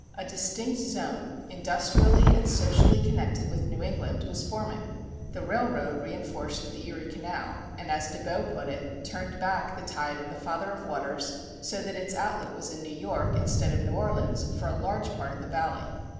A distinct zone, industrially and socially connected with New England, was forming. The railroad reinforced the Erie Canal and, as De Bow put it, turned back the tide of the Father of Waters so that its outlet was in New York instead of New Orleans for a large part of the Valley.